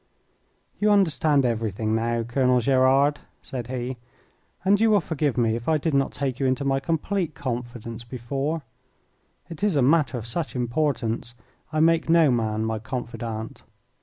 "You understand everything now, Colonel Gerard," said he, "and you will forgive me if I did not take you into my complete confidence before. In a matter of such importance I make no man my confidant.